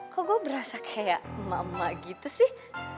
kok gue berasa kayak mama gitu sih